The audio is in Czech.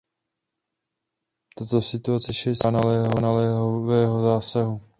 Tato situace si žádá naléhavého zásahu.